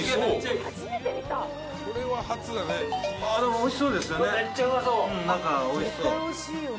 おいしそうですよね。